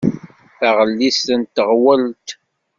Taɣellist n teɣwelt.